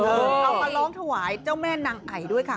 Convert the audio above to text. เขามาร้องถวายเจ้าแม่นางไอด้วยค่ะ